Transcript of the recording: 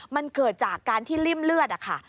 มันเกิดจากการที่ริ่มเลือดอะค่ะ